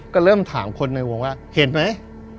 ก็เริ่มถามคนในวงว่าเห็นไหม